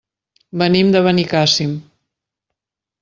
Venim de Benicàssim.